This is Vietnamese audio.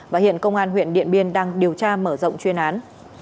và hiện công an huyện điện biên đang điều tra mở rộng chuyên án